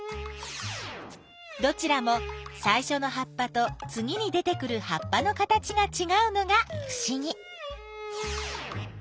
どちらもさいしょの葉っぱとつぎに出てくる葉っぱの形がちがうのがふしぎ。